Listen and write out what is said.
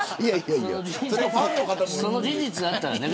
その事実があったらね。